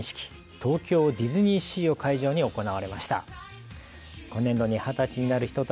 東京ディズニーシーを会場に行われました。